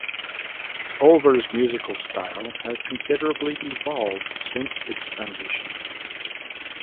Ulver’s musical style has considerably evolved since its foundation.